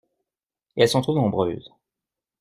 Elles sont trop nombreuses.